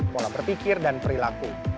pola berpikir dan perilaku